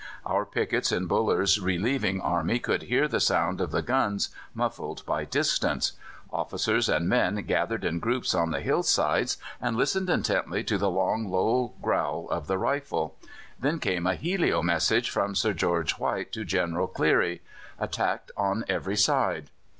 Our pickets in Buller's relieving army could hear the sound of the guns, muffled by distance; officers and men gathered in groups on the hill sides and listened intently to the long low growl of the rifle. Then came a helio message from Sir George White to General Clery: "Attacked on every side."